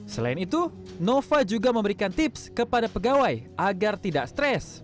selain itu nova juga memberikan tips kepada pegawai agar tidak stres